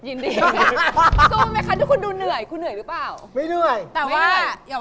จุดยอดนะครับจุดยอดพูดมากครับจุดยอดหวานงานครับ